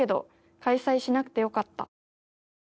「開催しなくて良かった」